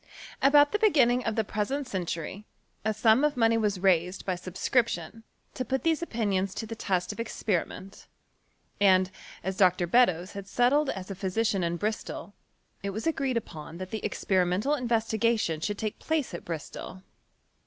About the beginning of the present century, a sum of money was raised by sub scription, to put these opinions to the test of expe riment; and, as Dr. Beddoes had settled as a phy sician in Bristol, it was agreed upon that the expe rimental investigation should take place at Bristol.